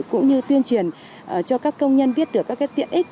cũng như tuyên truyền cho các công nhân biết được các tiện ích